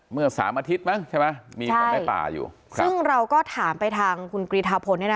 เมื่อสามอาทิตย์มั้งใช่ไหมมีคนในป่าอยู่ซึ่งเราก็ถามไปทางคุณกรีธาพลเนี่ยนะ